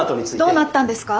どうなったんですか？